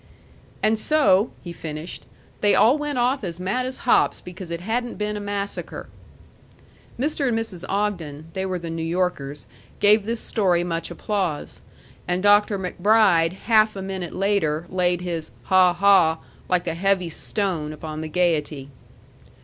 "And so," he finished, "they all went off as mad as hops because it hadn't been a massacre." Mr. and Mrs. Ogden they were the New Yorkers gave this story much applause, and Dr. MacBride half a minute later laid his "ha ha," like a heavy stone, upon the gayety.